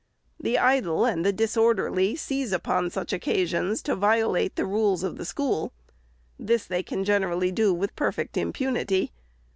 The idle and disorderly seize upon such occasions to violate the rules of the school. This they can generally do with perfect impunity.